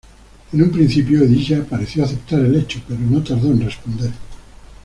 En un principio Hedilla pareció aceptar el hecho, pero no tardó en responder.